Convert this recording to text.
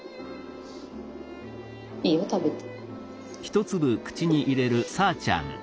いいよ食べて。